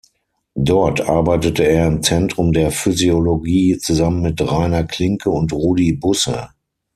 Dort arbeitete er im Zentrum der Physiologie zusammen mit Rainer Klinke und Rudi Busse.